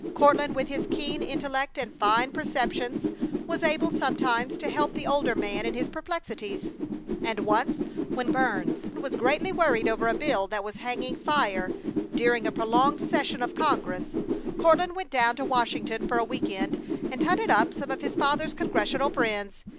Courtland with his keen intellect and fine perceptions was able sometimes to help the older man in his perplexities; and once, when Burns was greatly worried over a bill that was hanging fire during a prolonged session of congress, Courtland went down to Washington for a week end and hunted up some of his father's Congressional friends.